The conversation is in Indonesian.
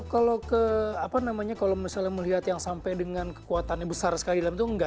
kalo ke apa namanya kalo misalnya melihat yang sampe dengan kekuatannya besar sekali dalam itu engga